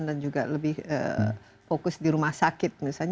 juga lebih fokus di rumah sakit misalnya